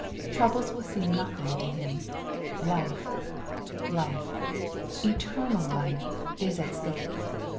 Troubles will seem nothing to him. Life, life, eternal life is at stake.